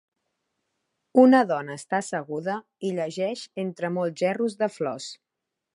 Una dona està asseguda i llegeix entre molts gerros de flors.